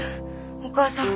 お母さん。